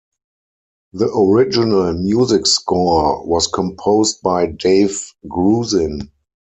The original music score was composed by Dave Grusin.